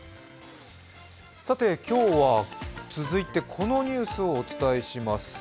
さて、今日は続いてこのニュースをお伝えします。